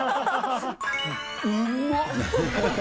うまっ！